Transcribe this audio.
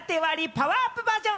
パワーアップバージョン！